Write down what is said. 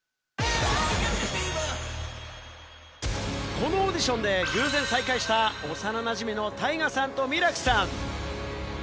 このオーディションで偶然再会した幼なじみのタイガさんとミラクさん。